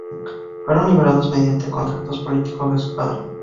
Fueron liberados mediante contactos políticos de su padre.